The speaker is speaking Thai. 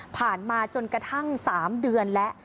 ผ่านมาจนกระทั่ง๓เดือนและ